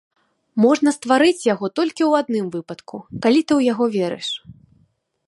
Можна стварыць яго толькі ў адным выпадку, калі ты ў яго верыш.